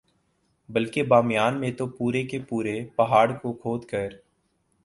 بلکہ بامیان میں تو پورے کے پورے پہاڑ کو کھود کر